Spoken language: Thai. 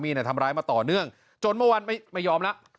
มีแต่ทำร้ายมาต่อเนื่องจนเมื่อวันไม่ยอมแล้ว